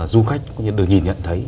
du khách được nhìn nhận thấy